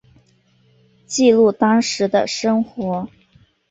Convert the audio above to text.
记录当时的生活